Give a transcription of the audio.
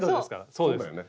そうだよね。